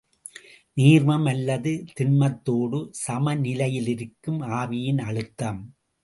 நீர்மம் அல்லது திண்மத்தோடு சமநிலையிலிருக்கும் ஆவியின் அழுத்தம்.